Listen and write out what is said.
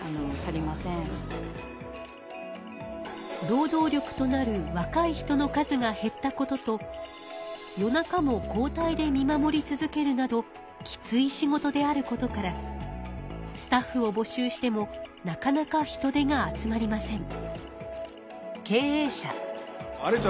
労働力となる若い人の数が減ったことと夜中も交代で見守り続けるなどきつい仕事であることからスタッフをぼ集してもなかなか人手が集まりません。